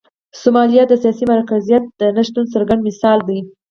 سومالیا د سیاسي مرکزیت د نشتون څرګند مثال دی.